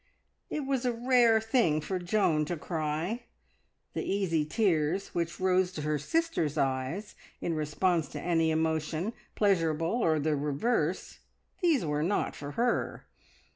It was a rare thing for Joan to cry; the easy tears which rose to her sisters' eyes in response to any emotion, pleasurable or the reverse, these were not for her.